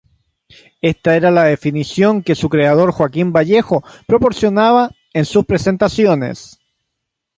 Esta era la definición que su creador, Joaquín Vallejo, proporcionaba en sus presentaciones.